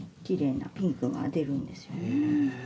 きれいなピンクが出るんですよね。